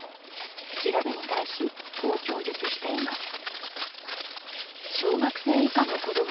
調べに対し、こう供述しています。